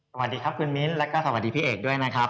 สวัสดีครับคุณมิ้นแล้วก็สวัสดีพี่เอกด้วยนะครับ